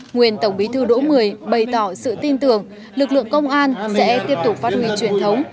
nguyên tổng bí thư đỗ mười bày tỏ sự tin tưởng lực lượng công an sẽ tiếp tục phát huy truyền thống